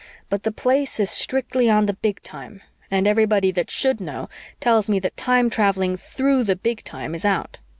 But the Place is strictly on the Big Time and everybody that should know tells me that time traveling through the Big Time is out.